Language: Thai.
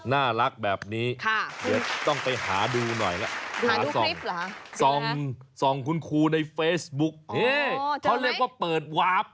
น่ารักแบบนี้เดี๋ยวต้องไปหาดูหน่อยแล้วส่องคุณครูในเฟซบุ๊กนี่เขาเรียกว่าเปิดวาร์ฟ